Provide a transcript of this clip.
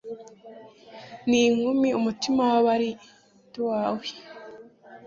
n'inkumi umutima w'abari, ndi uwawe